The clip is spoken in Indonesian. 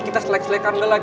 kita selek selekan doang